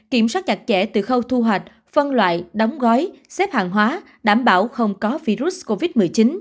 kiểm soát chặt chẽ từ khâu thu hoạch phân loại đóng gói xếp hàng hóa đảm bảo không có virus covid một mươi chín